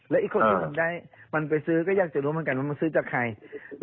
และอีกคนที่มันได้มันไปซื้อก็อยากจะรู้เหมือนกันว่ามันซื้อจากใคร